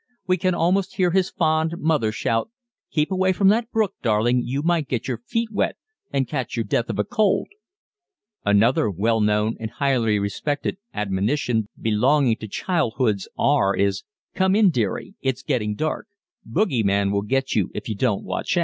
We can almost hear his fond mother shout, "Keep away from the brook, darling, you might get your feet wet and catch your death of a cold." Another well known and highly respected admonition belonging to childhood's hour is, "Come in, deary, it's getting dark Bogie man will get you if you don't watch out."